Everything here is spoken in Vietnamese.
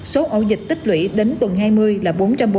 số ổ dịch tích lũy đến tuần hai mươi là bốn trăm bốn mươi